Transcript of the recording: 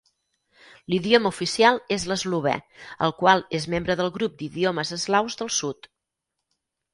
L'idioma oficial és l'eslovè, el qual és membre del grup d'idiomes eslaus del sud.